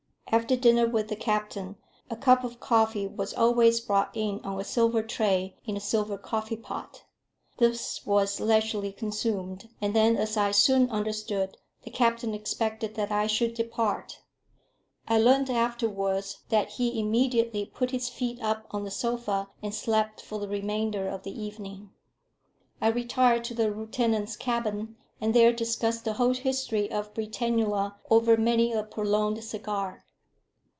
After dinner with the captain, a cup of coffee was always brought in on a silver tray, in a silver coffee pot. This was leisurely consumed; and then, as I soon understood, the captain expected that I should depart. I learnt afterwards that he immediately put his feet up on the sofa and slept for the remainder of the evening. I retired to the lieutenant's cabin, and there discussed the whole history of Britannula over many a prolonged cigar.